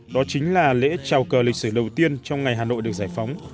đó chính là lễ trào cờ lịch sử đầu tiên trong ngày hà nội được giải phóng